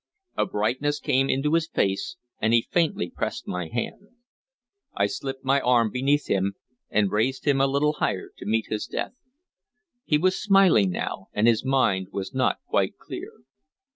A brightness came into his face, and he faintly pressed my hand. I slipped my arm beneath him and raised him a little higher to meet his death. He was smiling now, and his mind was not quite clear.